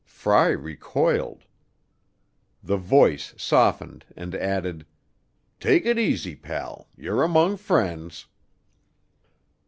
Fry recoiled. The voice softened and added, "Take it easy, pal, you're among friends."